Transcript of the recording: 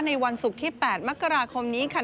วันศุกร์ที่๘มกราคมนี้ค่ะ